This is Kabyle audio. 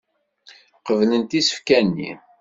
Qeblent isefka-nni.